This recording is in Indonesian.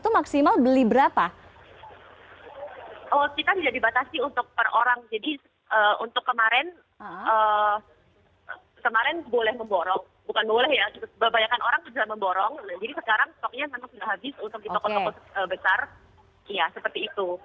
ya seperti itu